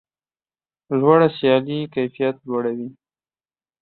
لوړه سیالي کیفیت لوړوي.